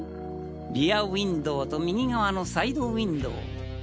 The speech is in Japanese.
リアウィンドウと右側のサイドウィンドウを。